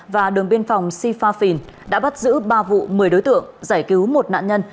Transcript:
và đường biên phòng sipha phìn đã bắt giữ ba vụ một mươi đối tượng giải cứu một nạn nhân